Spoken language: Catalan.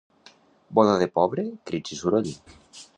Boda de pobre, crits i soroll.